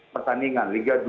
pertandingan liga dua